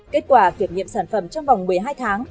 kết quả kiểm nghiệm sản phẩm trong vòng một mươi hai tháng